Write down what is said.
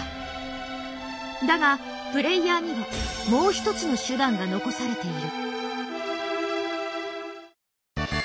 だがプレイヤーにはもう一つの手段が残されている。